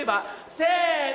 せの。